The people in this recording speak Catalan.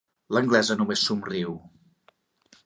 L'anglesa només somriu.